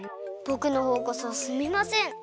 ぼくのほうこそすみません！